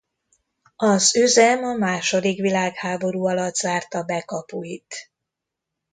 Az üzem a második világháború alatt zárta be kapuit.